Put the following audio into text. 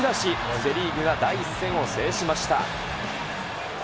セ・リーグが第１戦を制しました。